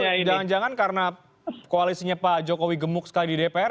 jangan jangan karena koalisinya pak jokowi gemuk sekali di dpr